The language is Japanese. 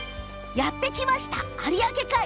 やって来ました有明海。